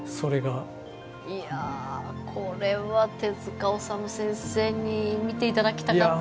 いやこれは手治虫先生に見て頂きたかったですね。